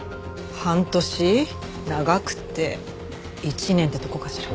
半年長くて１年ってとこかしら。